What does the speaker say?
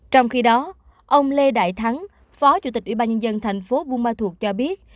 trong khi đó ông lê đại thắng phó chủ tịch ủy ban nhân dân thành phố buôn ma thuột cho biết